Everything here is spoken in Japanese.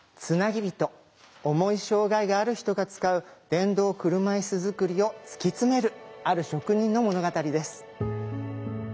重い障害がある人が使う電動車いす作りを突き詰めるある職人の物語です。